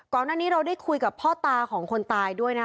ก่อนหน้านี้เราได้คุยกับพ่อตาของคนตายด้วยนะคะ